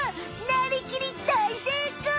なりきり大成功！